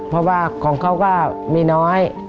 เพราะว่าของเขาก็มีน้อย